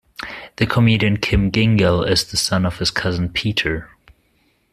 The comedian Kym Gyngell is the son of his cousin Peter.